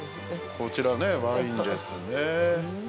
◆こちらワインですね。